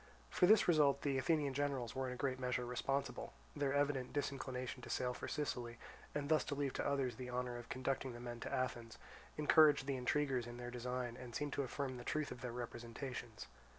For this result the Athenian generals were in a great measure responsible; their evident disinclination to sail for Sicily, and thus to leave to others the honour of conducting the men to Athens, encouraged the intriguers in their design and seemed to affirm the truth of their representations.